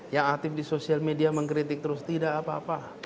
yang aktif di sosial media mengkritik terus tidak apa apa